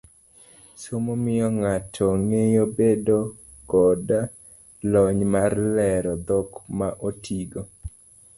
somo miyo ng'ato ngeyo bedo koda lony mar lero dhok ma otigo.